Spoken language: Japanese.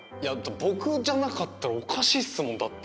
僕じゃなかったらおかしいですもんだって。